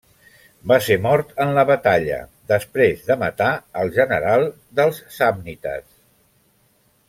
Va ser mort en la batalla després de matar al general dels samnites.